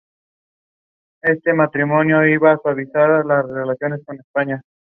Donde además de cantar, toca la cítara medieval y el laúd.